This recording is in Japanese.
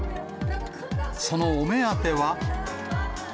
そのお目当ては。